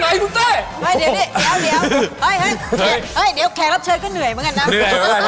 เดี๋ยวแขกรับเชิญก็เหนื่อยเหมือนกันนะ